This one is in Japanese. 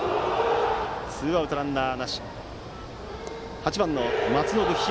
ツーアウトランナーなしで８番の松延響